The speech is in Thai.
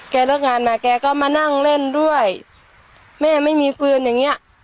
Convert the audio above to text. เลิกงานมาแกก็มานั่งเล่นด้วยแม่ไม่มีฟืนอย่างเงี้ย